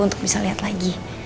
untuk bisa liat lagi